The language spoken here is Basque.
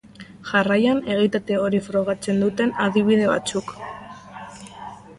Jarraian, egitate hori frogatzen duten adibide batzuk.